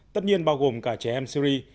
tất nhiên bao gồm cả trẻ em syri